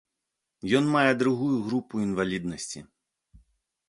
Ён мае другую групу інваліднасці.